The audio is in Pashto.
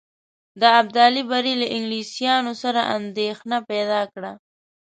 د ابدالي بری له انګلیسیانو سره اندېښنه پیدا کړه.